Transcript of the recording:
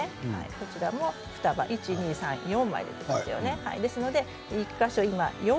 こちらも双葉から１、２、３、４枚出ていますよね。